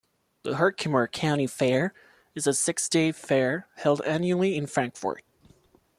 The Herkimer County Fair is a six-day fair held annually in Frankfort.